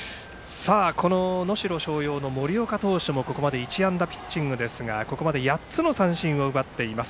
能代松陽の森岡投手もここまで１安打ピッチングですがここまで８つの三振を奪っています。